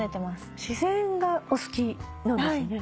自然がお好きなんですね？